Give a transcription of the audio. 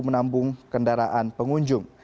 nampung kendaraan pengunjung